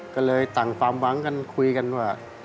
ก็เลยต่างความหวังกันคุยกันว่า